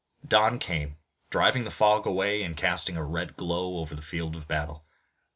Dawn came, driving the fog away, and casting a red glow over the field of battle.